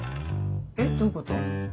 えっどういうこと？